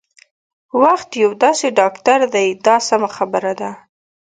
وخت یو داسې ډاکټر دی دا سمه خبره ده.